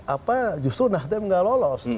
apa justru nasdem nggak lolos